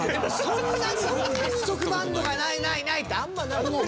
そんなに結束バンドがないないないってあんまりないでしょ。